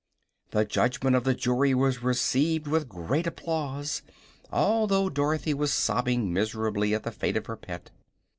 The judgment of the jury was received with great applause, although Dorothy was sobbing miserably at the fate of her pet.